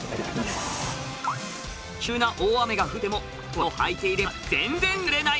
急な大雨が降ってもこれをはいていれば全然濡れない。